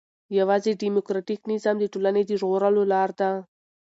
يوازي ډيموکراټيک نظام د ټولني د ژغورلو لار ده.